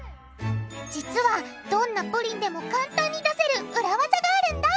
実はどんなプリンでも簡単に出せる裏ワザがあるんだ！